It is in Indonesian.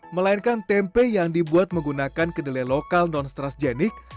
melainkan tempe yang dibuat menggunakan kedelai lokal non stresgenik